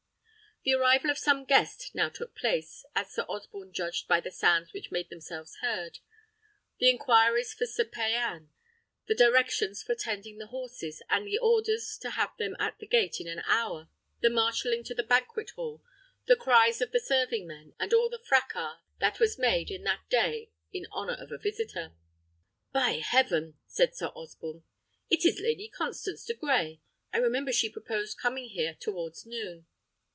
The arrival of some guest now took place, as Sir Osborne judged by the sounds which made themselves heard: the inquiries for Sir Payan, the directions for tending the horses, and the orders to have them at the gate in an hour, the marshalling to the banquet hall, the cries of the serving men, and all the fracas that was made, in that day, in honour of a visitor. "By heaven!" said Sir Osborne, "it is Lady Constance de Grey! I remember she proposed coming here towards noon.